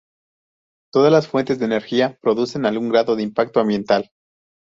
Todas las fuentes de energía producen algún grado de impacto ambiental.